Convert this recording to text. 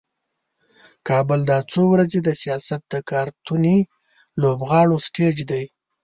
کابل دا څو ورځې د سیاست د کارتوني لوبغاړو سټیج دی.